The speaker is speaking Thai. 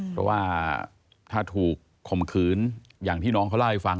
เพราะว่าถ้าถูกข่มขืนอย่างที่น้องเขาเล่าให้ฟัง